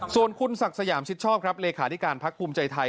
ส่วนคุณศักดิ์สยามชิดชอบครับเลขาธิการพักภูมิใจไทย